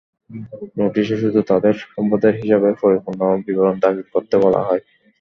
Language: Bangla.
নোটিশে শুধু তাঁদের সম্পদের হিসাবের পরিপূর্ণ বিবরণ দাখিল করতে বলা হয়।